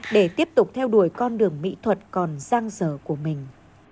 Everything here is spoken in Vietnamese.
để tiếp tục theo đuổi con đường mỹ thuật còn giang dở của mình